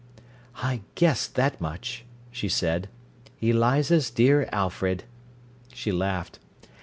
"I guessed that much," she said. "Eliza's dear Alfred." She laughed.